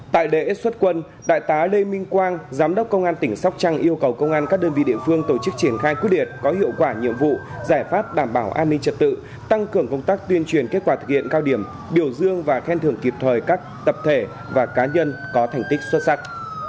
tại lễ xuất quân đại tá lê minh quang giám đốc công an tỉnh sóc trăng yêu cầu công an các đơn vị địa phương tổ chức triển khai quyết liệt có hiệu quả nhiệm vụ giải pháp đảm bảo an ninh trật tự tăng cường công tác tuyên truyền kết quả thực hiện cao điểm biểu dương và khen thưởng kịp thời các tập thể và cá nhân có thành tích xuất sắc